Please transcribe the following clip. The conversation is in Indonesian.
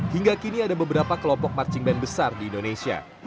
hingga kini ada beberapa kelompok marching band besar di indonesia